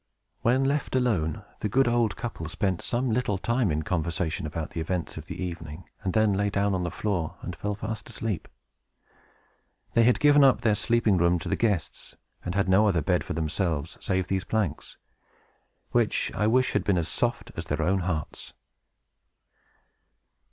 When left alone, the good old couple spent some little time in conversation about the events of the evening, and then lay down on the floor, and fell fast asleep. They had given up their sleeping room to the guests, and had no other bed for themselves, save these planks, which I wish had been as soft as their own hearts.